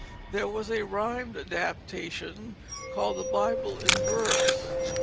There was a rhymed adaptation called the _Bible in Verse.